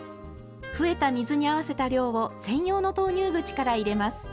増えた水に合わせた量を専用の投入口から入れます。